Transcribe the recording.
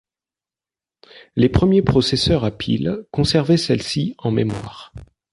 Les premiers processeurs à pile conservaient celle-ci en mémoire.